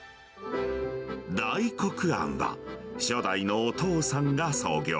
大黒庵は初代のお父さんが創業。